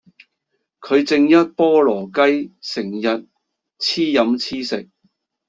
佢正一菠蘿雞成日黐飲黐食